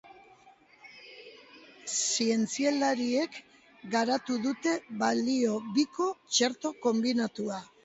Zientzialariek garatu dute balio biko txerto konbinatua.